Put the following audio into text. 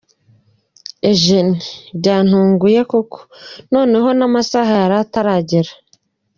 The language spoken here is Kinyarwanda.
Eugene: “Byantuguye koko noneho naamasaha yari ataragera.